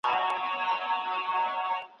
ماشوم وم چي بوډا کیسه په اوښکو لمبوله